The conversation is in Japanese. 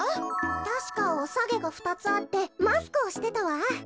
たしかおさげがふたつあってマスクをしてたわ。